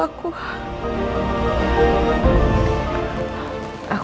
aku mau berbelian